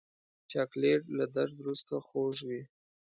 چاکلېټ له درد وروسته خوږ وي.